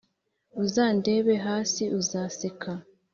uzandeba hasi uzaseka